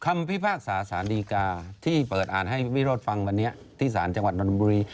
พิพากษาสารดีกาที่เปิดอ่านให้วิโรธฟังวันนี้ที่ศาลจังหวัดนนทบุรี